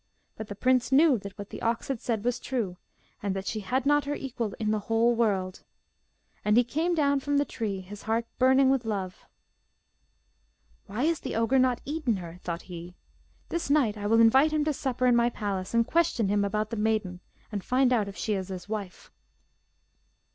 But the prince knew that what the ox had said was true, and that she had not her equal in the whole world. And he came down from the tree, his heart burning with love. 'Why has the ogre not eaten her?' thought he. 'This night I will invite him to supper in my palace and question him about the maiden, and find out if she is his wife.